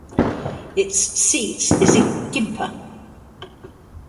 Its seat is in Quimper.